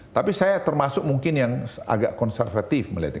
tapi saya termasuk mungkin yang agak konservatif melihatnya